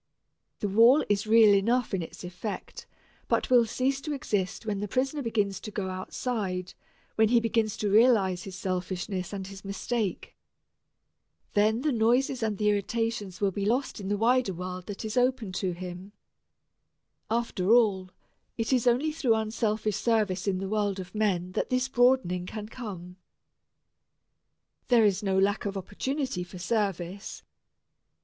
The wall is real enough in its effect, but will cease to exist when the prisoner begins to go outside, when he begins to realize his selfishness and his mistake. Then the noises and the irritations will be lost in the wider world that is open to him. After all, it is only through unselfish service in the world of men that this broadening can come. There is no lack of opportunity for service.